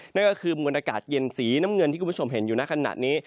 นั่นก็คือมวลอากาศเย็นสีน้ำเงินที่คุณผู้ชมเห็นอยู่ในขณะนี้